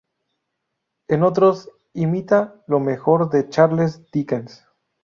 En otros imita lo mejor de Charles Dickens.